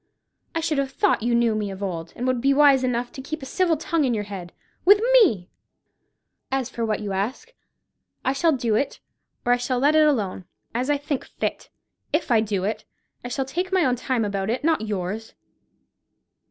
I should have thought you knew me of old, and would be wise enough to keep a civil tongue in your head, with me. As for what you ask, I shall do it, or I shall let it alone—as I think fit. If I do it, I shall take my own time about it, not yours."